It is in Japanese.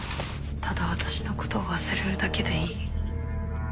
ただ私の事を忘れるだけでいい。